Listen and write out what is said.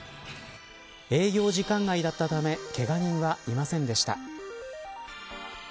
営業時間外だったためけが人はいませんでした。